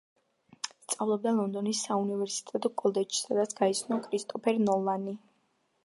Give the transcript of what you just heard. სწავლობდა ლონდონის საუნივერსიტეტო კოლეჯში, სადაც გაიცნო კრისტოფერ ნოლანი.